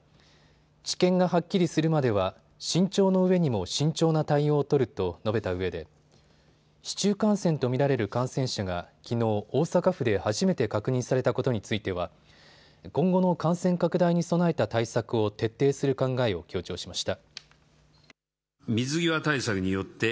知見がはっきりするまでは慎重の上にも慎重な対応を取ると述べたうえで市中感染と見られる感染者がきのう大阪府で初めて確認されたことについては今後の感染拡大に備えた対策を徹底する考えを強調しました。